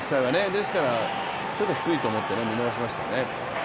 ですからちょっと低いと思って見逃しましたね。